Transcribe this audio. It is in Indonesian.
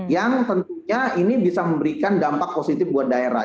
yang tentunya ini bisa memberikan dampak positif buat daerah